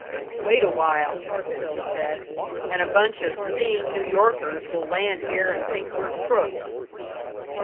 "Wait a while," Phil said, "and a bunch of Seeing New Yorkers will land here and think we're crooks."